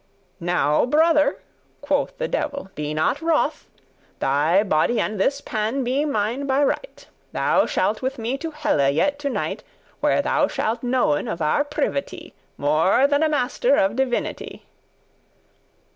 "Now, brother," quoth the devil, "be not wroth; Thy body and this pan be mine by right. Thou shalt with me to helle yet tonight, Where thou shalt knowen of our privity* *secrets More than a master of divinity."